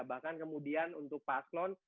bahkan kemudian untuk paslon